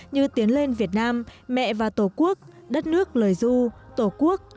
như tiến lên việt nam mẹ và tổ quốc đất nước lời du tổ quốc